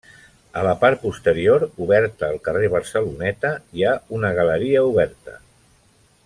A la part posterior, oberta al carrer Barceloneta hi ha una galeria oberta.